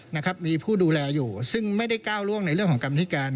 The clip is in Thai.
นะครับมีผู้ดูแลอยู่ซึ่งไม่ได้ก้าวล่วงในเรื่องของกรรมธิการ